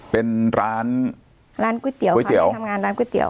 เป็นร้านก๋วยเตี๋ยวทำงานร้านก๋วยเตี๋ยว